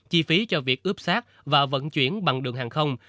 chi phí cho việc ướp xác và vận chuyển bằng đường hàng không